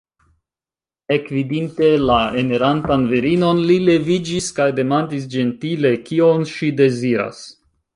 Ekvidinte la enirantan virinon, li leviĝis kaj demandis ĝentile, kion ŝi deziras.